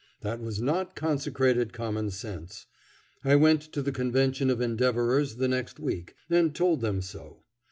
That was not consecrated common sense. I went to the convention of Endeavorers the next week and told them so.